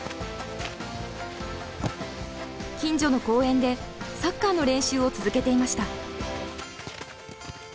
近所の公園でサッカーの練習を続けていました。